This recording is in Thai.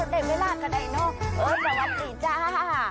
ได้เวลาก็ได้เนอะเออสวัสดีจ้า